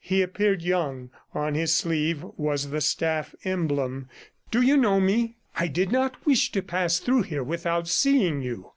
He appeared young; on his sleeve was the staff emblem. "Do you know me? ... I did not wish to pass through here without seeing you."